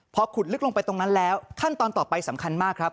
พอขุดลึกลงไปตรงนั้นแล้วขั้นตอนต่อไปสำคัญมากครับ